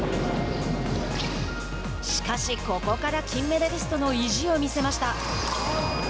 しかし、ここから金メダリストの意地を見せました。